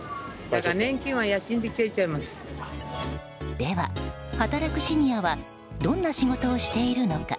では、働くシニアはどんな仕事をしているのか。